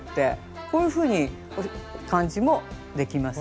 こういうふうに感じもできますね。